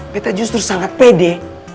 kita justru sangat pede